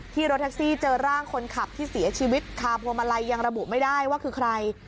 รถแท็กซี่เจอร่างคนขับที่เสียชีวิตคาพวงมาลัยยังระบุไม่ได้ว่าคือใคร